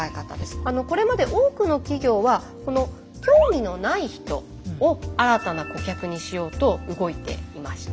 これまで多くの企業はこの興味のない人を新たな顧客にしようと動いていました。